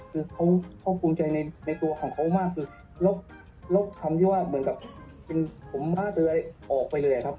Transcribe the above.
คือเขาภูมิใจในตัวของเขามากคือลบคำที่ว่าเหมือนกับเป็นผมม้าเตยออกไปเลยครับ